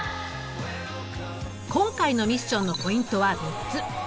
今回のミッションのポイントは３つ。